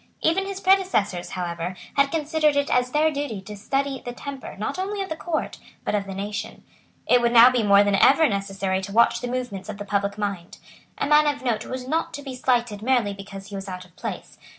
Even his predecessors, however, had considered it as their duty to study the temper, not only of the Court, but of the nation. It would now be more than ever necessary to watch the movements of the public mind. A man of note was not to be slighted merely because he was out of place.